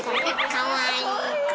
かわいい！